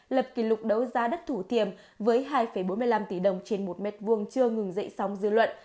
lập kỷ lục đấu giá đất thủ thiềm với hai bốn mươi năm tỷ đồng trên một m hai chưa ngừng dậy sóng dư luận